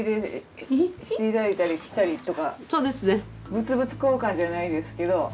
物々交換じゃないですけど。